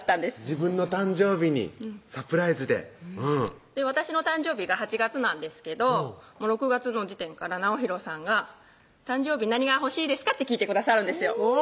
自分の誕生日にサプライズで私の誕生日が８月なんですけど６月の時点から直洋さんが「誕生日何が欲しいですか？」って聞いてくださるんですよ